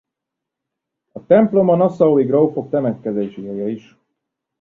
A templom a nassaui grófok temetkezési helye is.